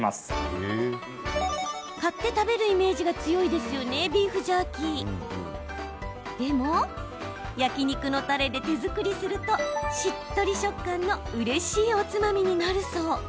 買って食べるイメージが強いビーフジャーキですが焼き肉のたれで手作りするとしっとり食感のうれしいおつまみになるそう。